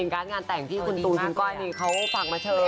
การ์ดงานแต่งที่คุณตูนคุณก้อยนี่เขาฝากมาเชิญ